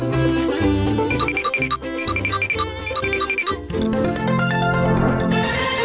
โปรดติดตามตอนต่อไป